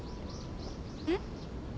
えっ？